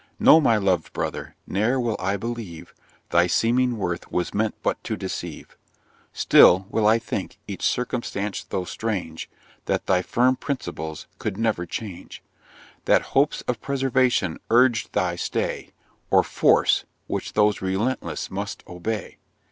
No, my loved brother, ne'er will I believe Thy seeming worth was meant but to deceive; Still will I think (each circumstance though strange) That thy firm principles could never change; That hopes of preservation urged thy stay, Or force, which those resistless must obey.